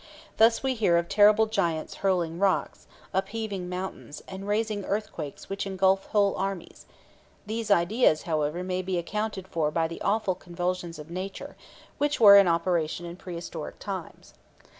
Thus we hear of terrible giants hurling rocks, upheaving mountains, and raising earthquakes which engulf whole armies; these ideas, however, may be accounted for by the awful convulsions of nature, which were in operation in pre historic times.